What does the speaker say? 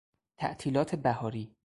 تعطیلات بهاری